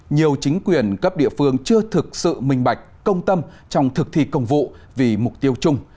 nhiều chính quyền cấp địa phương chưa thực sự minh bạch công tâm trong thực thi công vụ vì mục tiêu chung